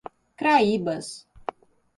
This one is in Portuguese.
Craíbas